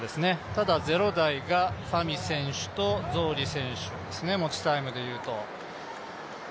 ただ０台がファミ選手とゾーリ選手ですね、持ちタイムで言うと。